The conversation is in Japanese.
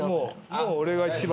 もう俺が一番。